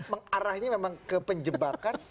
mengarahnya memang ke penjebakan